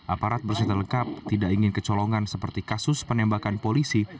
aparat bersita lengkap tidak ingin kecolongan seperti kasus penembakan polisi